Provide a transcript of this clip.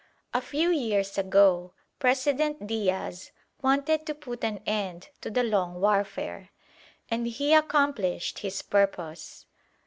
"A few years ago President Diaz wanted to put an end to the long warfare, and he accomplished his purpose.